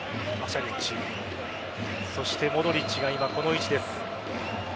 モドリッチが今この位置です。